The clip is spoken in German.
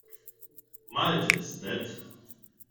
Malte ist nett.